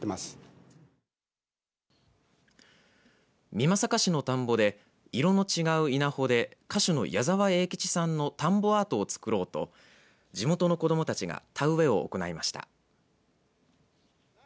美作市の田んぼで色の違う稲穂で歌手の矢沢永吉さんの田んぼアートを作ろうと地元の子どもたちが田植えを行いました。